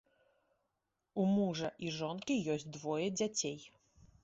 У мужа і жонкі ёсць двое дзяцей.